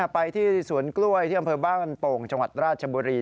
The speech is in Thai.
ไปที่สวนกล้วยที่อำเภอบ้านโป่งจังหวัดราชบุรี